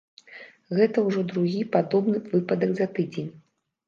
Гэта ўжо другі падобны выпадак за тыдзень.